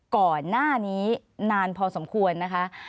ขอบคุณครับ